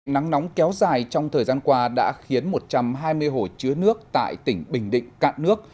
nắng nóng kéo dài trong thời gian qua đã khiến một trăm hai mươi hồ chứa nước tại tỉnh bình định cạn nước